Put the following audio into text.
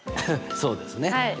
そうですね！